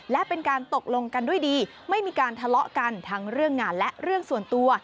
และเป็นการตกลงกันด้วยดีไม่มีการทะเลาะกันทั้งเรื่องงานและเรื่องส่วนตัว